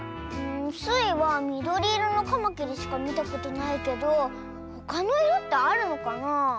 スイはみどりいろのカマキリしかみたことないけどほかのいろってあるのかなあ。